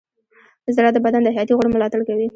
زړه د بدن د حیاتي غړو ملاتړ کوي.